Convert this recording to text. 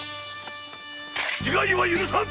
自害は許さん！